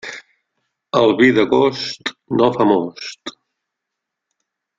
El vi d'agost no fa most.